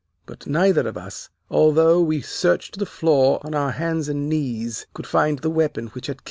But neither of us, although we searched the floor on our hands and knees, could find the weapon which had killed her.